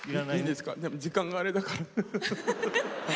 でも時間があれだから。